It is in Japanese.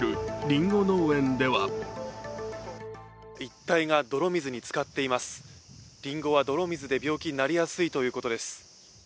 りんごは泥水で病気になりやすいということです。